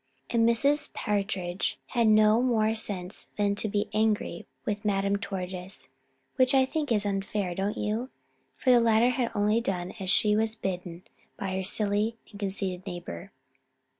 And Mrs. Partridge had no more sense than to be angry with Madame Tortoise, which I think was very unfair, don't you? For the latter had only done as she was bidden by her silly and conceited neighbor.